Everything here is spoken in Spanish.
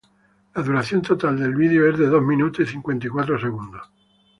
La duración total del vídeo es de dos minutos y cincuenta y cuatro segundos.